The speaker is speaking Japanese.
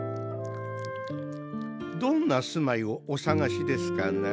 どんな住まいをお探しですかな？